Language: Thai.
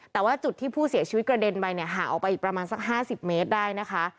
แต่ว่าจุดที่ผู้เสียชีวิตกระเด็นไปเนี่ยห่างออกไปอีกประมาณสัก๕๐เมตรได้นะคะ